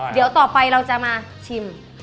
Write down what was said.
เดี๋ยวต่อไปเราจะมาชิม